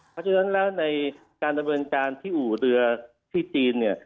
เพราะฉะนั้นแล้วในการดำเนินการที่อู่เรือที่จีนเนี่ย